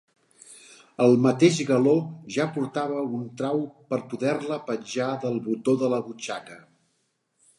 El mateix galó ja portava un trau per poder-la penjar del botó de la butxaca.